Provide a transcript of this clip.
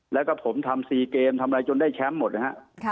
แล้วก็ผมทำ๔เกมทำอะไรจนได้แชมป์หมดนะฮะ